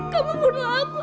kamu bunuh aku